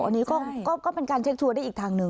อันนี้ก็เป็นการเช็คชัวร์ได้อีกทางหนึ่ง